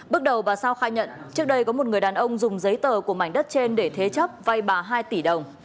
bước đầu bà sao khai nhận trước đây có một người đàn ông dùng giấy tờ của mảnh đất trên để thế chấp vay bà hai tỷ đồng